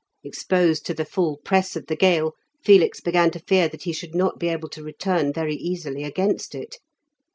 Exposed to the full press of the gale, Felix began to fear that he should not be able to return very easily against it.